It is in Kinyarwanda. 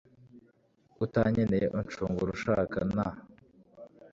utankeneye, unshungura ushaka nta